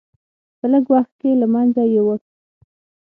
په لږ وخت کې له منځه یووړ.